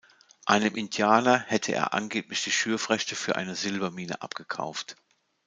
Einem Indianer hätte er angeblich die Schürfrechte für eine Silbermine abgekauft.